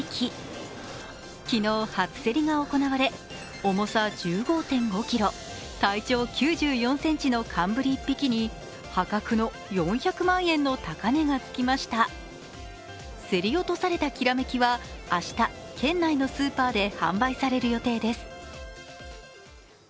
昨日、初競りが行われ重さ１５．５ｋｇ体長９４ｃｍの寒ぶり１匹に破格の４００万円の高値がつきました競り落とされた煌は明日県内のスーパーで販売される予定です。